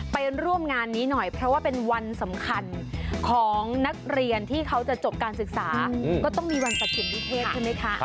ไปร่วมงานนี้หน่อยเพราะว่าเป็นวันสำคัญของนักเรียนที่เขาจะจบการศึกษาก็ต้องมีวันตัดสินวิเทศใช่ไหมคะ